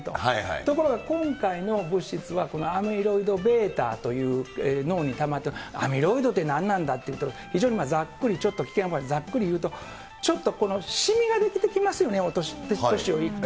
ところが今回の物質は、このアミロイドβという脳にたまって、アミロイドって何なんだって言うと、非常にざっくりちょっと、ざっくり言うと、このしみが出来てきますよね、お年いくと。